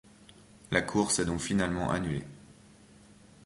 La course est donc finalement annulée.